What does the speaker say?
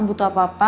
kamu butuh apa apa